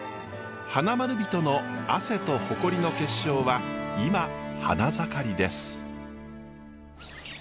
花まる人の汗と誇りの結晶は今花盛りです。